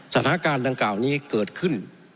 สถานการณ์ดังกล่าวนี้เกิดขึ้น